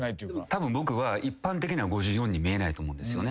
たぶん僕は一般的には５４に見えないと思うんですよね。